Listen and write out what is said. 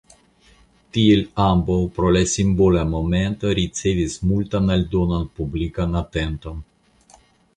Tiel ambaŭ pro la simbola momento ricevis multan aldonan publikan atenton.